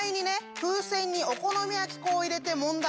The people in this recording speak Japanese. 風船にお好み焼き粉を入れてもんだら